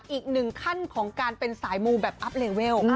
อีกหนึ่งขั้นของการเป็นสายมูแบบอัพเลเวล